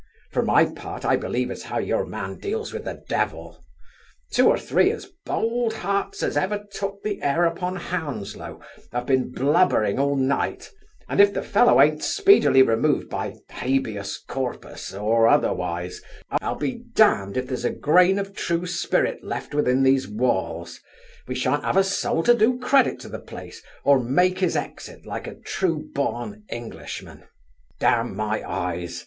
For my part, I believe as how your man deals with the devil. Two or three as bold hearts as ever took the air upon Hounslow have been blubbering all night; and if the fellow an't speedily removed by Habeas Corpus, or otherwise, I'll be damn'd if there's a grain of true spirit left within these walls we shan't have a soul to do credit to the place, or make his exit like a true born Englishman damn my eyes!